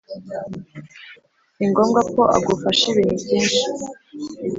si ngombwa ko agufasha ibintu byinshi